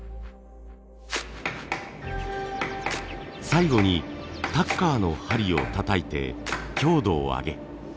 最後にタッカーの針をたたいて強度を上げ。